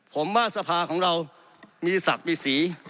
ผมว่าสภาของเรามีศักดิ์มีสี